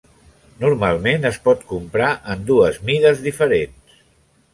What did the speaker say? Normalment es pot comprar en dues mides diferents.